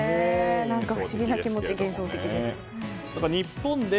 不思議な気持ち、幻想的です。